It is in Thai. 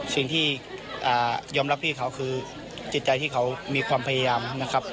สิ่งที่ยอมรับพี่เขาคือจิตใจที่เขามีความพยายามนะครับ